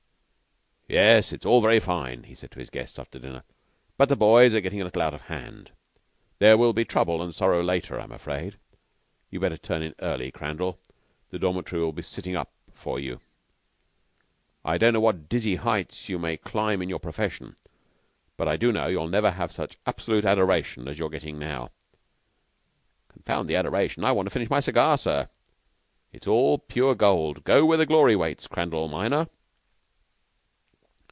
"Yes, it's all very fine," he said to his guests after dinner, "but the boys are getting a little out of hand. There will be trouble and sorrow later, I'm afraid. You'd better turn in early, Crandall. The dormitory will be sitting up for you. I don't know to what dizzy heights you may climb in your profession, but I do know you'll never get such absolute adoration as you're getting now." "Confound the adoration. I want to finish my cigar, sir." "It's all pure gold. Go where glory waits, Crandall minor."